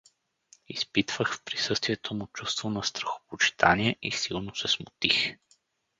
Изпитвах в присъствието му чувство на страхопочитание и силно се смутих.